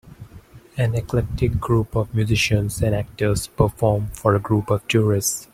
An eclectic group of musicians and actors perform for a group of tourists.